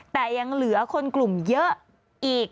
แต่ยังเหลือคนกลุ่มเยอะอีก